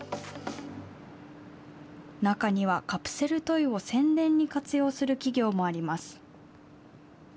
中には、カプセルトイを宣伝に活用する企業もあります。